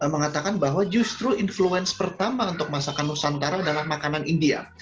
mengatakan bahwa justru influence pertama untuk masakan nusantara adalah makanan india